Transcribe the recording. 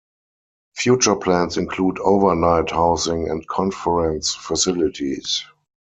Future plans include overnight housing and conference facilities.